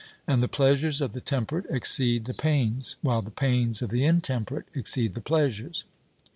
And the pleasures of the temperate exceed the pains, while the pains of the intemperate exceed the pleasures.